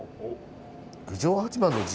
郡上八幡の地